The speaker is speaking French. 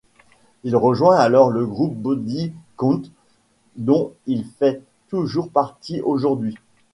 Il rejoint alors le groupe Body Count dont il fait toujours partie aujourd'hui.